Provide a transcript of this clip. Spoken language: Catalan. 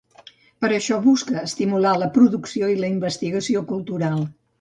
Per a això busca estimular la producció i la investigació cultural.